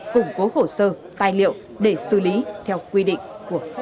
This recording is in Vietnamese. củng cố hồ sơ tài liệu để xử lý theo quy định của pháp